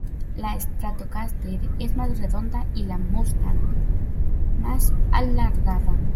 La Stratocaster es más "redonda" y la Mustang más "alargada".